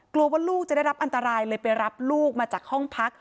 กลัวว่าลูกจะได้รับอันตรายเลยไปรับลูกมาจากห้องพัก